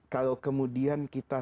kalau kemudian kita